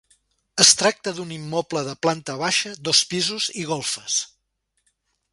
Es tracta d'un immoble de planta baixa, dos pisos i golfes.